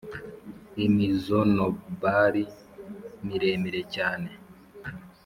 imizonobari miremire cyane,